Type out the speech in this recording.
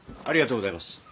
ありがとうございます。